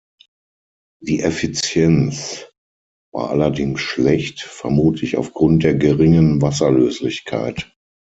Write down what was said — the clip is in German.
Die Effizienz war allerdings schlecht, vermutlich aufgrund der geringen Wasserlöslichkeit.